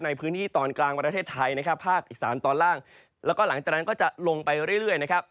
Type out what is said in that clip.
ในพื้นที่ตอนกลางประเทศไทยนะครับภาคอีสานตอนล่างแล้วก็หลังจากนั้นก็จะลงไปเรื่อยนะครับ